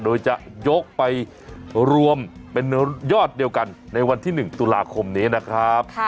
โดยจะยกไปรวมเป็นยอดเดียวกันในวันที่๑ตุลาคมนี้นะครับ